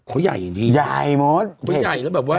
เขาใหญ่ยังดีเขาใหญ่แล้วแบบว่า